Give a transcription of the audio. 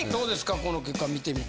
この結果見てみて。